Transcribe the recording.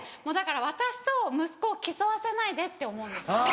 もうだから私と息子を競わせないでって思うんです。